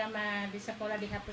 itu kan salah satu programnya mereka